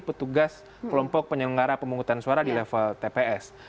petugas kelompok penyelenggara pemungutan suara di level tps